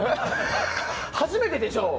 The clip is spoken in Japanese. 初めてでしょ？